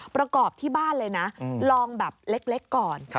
ประกอบที่บ้านเลยนะลองแบบเล็กก่อน